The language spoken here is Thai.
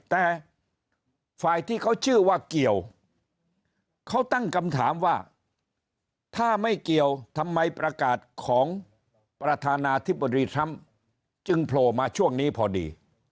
แต่ฝ่ายที่เขาชื่อว่าเกี่ยวเขาตั้งคำถามว่าถ้าไม่เกี่ยวทำไมประกาศของประธานาธิบดีทรัมป์จึงโผล่มาช่วงนี้พอดี